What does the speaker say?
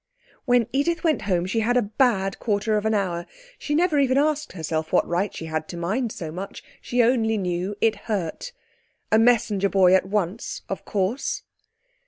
When Edith went home she had a bad quarter of an hour. She never even asked herself what right she had to mind so much; she only knew it hurt. A messenger boy at once, of course.